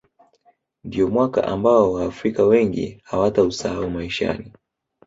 ndiyo mwaka ambao waafrika wengi hawatausahau maishani